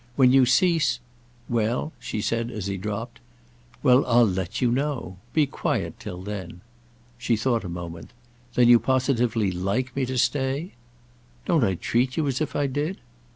When you cease—" "Well?" she said as he dropped. "Well, I'll let you know. Be quiet till then." She thought a moment. "Then you positively like me to stay?" "Don't I treat you as if I did?"